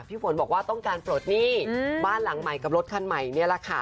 ฝนบอกว่าต้องการปลดหนี้บ้านหลังใหม่กับรถคันใหม่นี่แหละค่ะ